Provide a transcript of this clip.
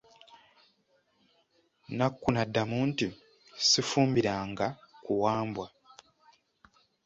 Nakku n'addamu nti, Sifumbiranga ku Wambwa.